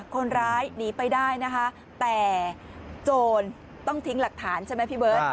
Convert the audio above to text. คนร้ายหนีไปได้นะคะแต่โจรต้องทิ้งหลักฐานใช่ไหมพี่เบิร์ต